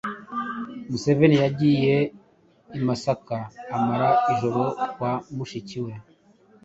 Museveni yagiye i Masaka amara ijoro kwa mushiki we,